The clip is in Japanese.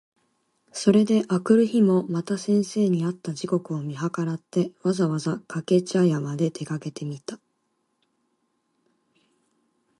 それで翌日（あくるひ）もまた先生に会った時刻を見計らって、わざわざ掛茶屋（かけぢゃや）まで出かけてみた。